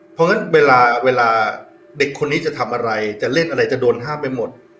เพราะงั้นเวลาเด็กคนนี้จะทำอะไรจะเล่นอะไรจะโดนห้ามไปหมด